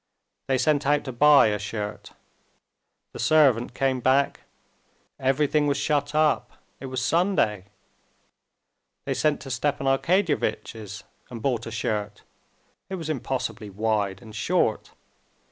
They sent out to buy a shirt. The servant came back; everything was shut up—it was Sunday. They sent to Stepan Arkadyevitch's and brought a shirt—it was impossibly wide and short.